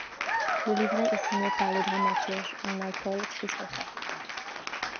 Le livret est signé par le dramaturge Michael Cristofer.